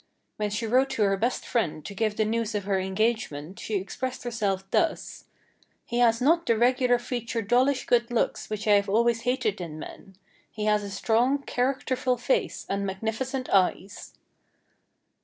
When she wrote to her best friend to give the news of her engagement she expressed herself thus: "He has not the regular featured dollish good looks which I have always hated in men. He has a strong, char acterful face and magnificent eyes."